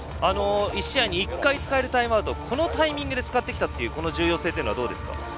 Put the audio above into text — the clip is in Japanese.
１試合に１回使えるタイムアウトをこのタイミングで使ってきたという重要性はどうですか？